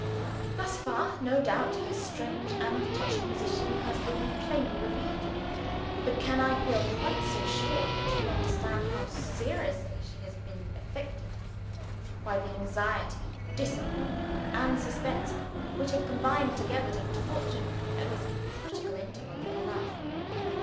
Thus far, no doubt, her strange and touching position has been plainly revealed to you. But can I feel quite so sure that you understand how seriously she has been affected by the anxiety, disappointment, and suspense which have combined together to torture her at this critical interval in her life?